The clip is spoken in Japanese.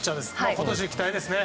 今年に期待ですね。